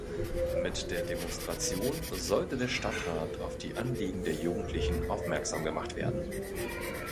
Mit der Demonstration sollte der Stadtrat auf die Anliegen der Jugendlichen aufmerksam gemacht werden.